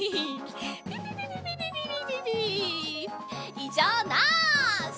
いじょうなし！